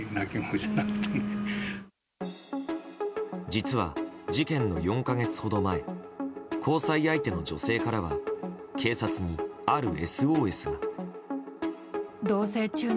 実は、事件の４か月ほど前交際相手の女性からは警察にあるＳＯＳが。